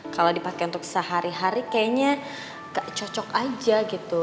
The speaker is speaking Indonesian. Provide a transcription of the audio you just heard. kalau dipakai untuk sehari hari kayaknya cocok aja gitu